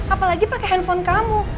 apalagi pake hp kamu